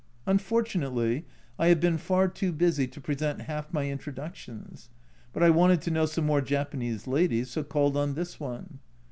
Unfortunately, I have been far too busy to present half my intro ductions, but I wanted to know some more Japanese ladies, so called on this one.